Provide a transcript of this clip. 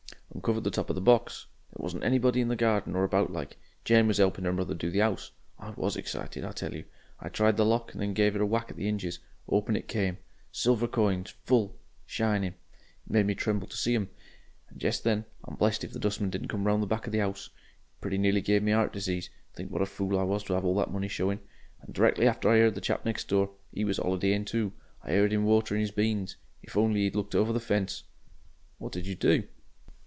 "Uncovered the top of the box. There wasn't anybody in the garden or about like. Jane was 'elping 'er mother do the 'ouse. I WAS excited I tell you. I tried the lock and then gave a whack at the hinges. Open it came. Silver coins full! Shining. It made me tremble to see 'em. And jest then I'm blessed if the dustman didn't come round the back of the 'ouse. It pretty nearly gave me 'eart disease to think what a fool I was to 'ave that money showing. And directly after I 'eard the chap next door 'e was 'olidaying, too I 'eard him watering 'is beans. If only 'e'd looked over the fence!" "What did you do?"